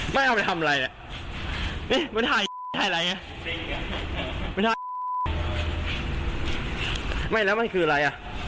ไม่แล้วมันคืออะไร